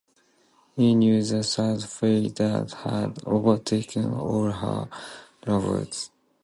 He knew the sad fate that had overtaken all her lovers.